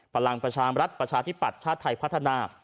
พลังประชามรัฐประชาธิปัตย์ชาติไทยพัฒนา